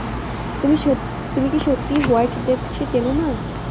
তুমি কি সত্যিই হোয়াইট ডেথকে চেনো না?